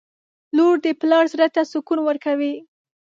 • لور د پلار زړه ته سکون ورکوي.